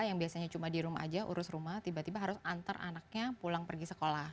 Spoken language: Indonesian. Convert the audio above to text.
yang biasanya cuma di rumah aja urus rumah tiba tiba harus antar anaknya pulang pergi sekolah